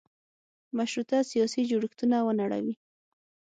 مشروطه سیاسي جوړښتونه ونړوي.